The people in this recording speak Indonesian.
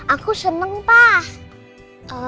aku senang pak